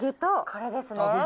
これですね。